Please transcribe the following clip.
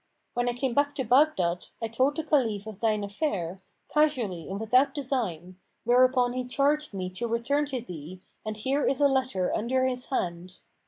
When I came back to Baghdad, I told the Caliph of thine affair, casually and without design, whereupon he charged me to return to thee, and here is a letter under his hand.